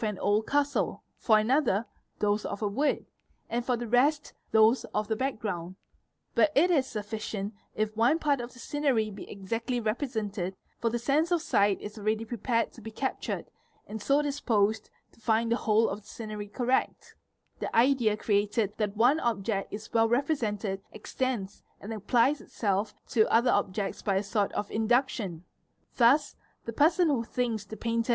# PERCEPTION 61 old castle, for another those of a wood, and for the rest those of the background. But it is sufficient if one part of the scenery be exactly _ represented, for the sense of sight is already prepared to be captured and so disposed to find the whole of the scenery correct; the idea created ~ that' one object is well represented extends and applies itself to other objects by a sort of induction; thus the person who thinks the painter